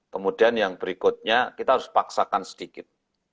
kemudian yang berikutnya kita harus paksakan sedikit